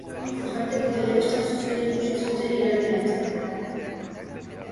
Elkarteko telebistan zuzenean ikusi zuten ilargiratzea.